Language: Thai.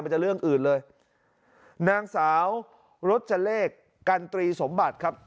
มันจะเลือกอื่นเลยนางสาวรสเจรกกันตรีสมบัติครับ